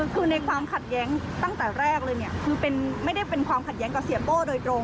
คือมีความขัดแย้งตั้งแต่แรกเลยไม่ได้เป็นความขัดแย้งเศพโป้โดยตรง